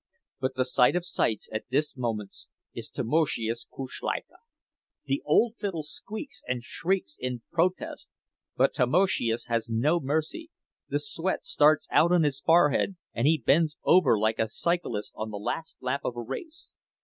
But the sight of sights at this moment is Tamoszius Kuszleika. The old fiddle squeaks and shrieks in protest, but Tamoszius has no mercy. The sweat starts out on his forehead, and he bends over like a cyclist on the last lap of a race.